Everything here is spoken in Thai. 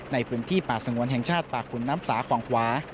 ในพื้นที่ป่าสงวนแห่งชาติป่าขุนน้ำสาคลองขวา